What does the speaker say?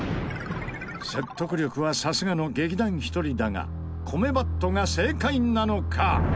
説得力はさすがの劇団ひとりだがこめばっとが正解なのか？